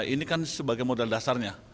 ini kan sebagai modal dasarnya